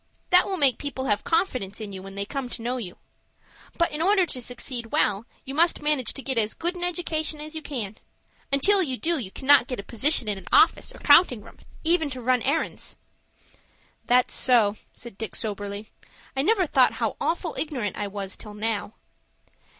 That will make people have confidence in you when they come to know you. But, in order to succeed well, you must manage to get as good an education as you can. Until you do, you cannot get a position in an office or counting room, even to run errands." "That's so," said Dick, soberly. "I never thought how awful ignorant I was till now."